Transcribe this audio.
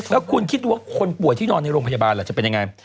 แล้วคุณคิดดูว่าคนป่วยที่นอนในโรงพยาบาลล่ะจะเป็นยังไง